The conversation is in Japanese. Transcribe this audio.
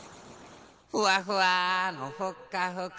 ふわふわのふっかふか。